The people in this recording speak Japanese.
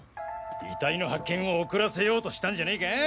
遺体の発見を遅らせようとしたんじゃねえか？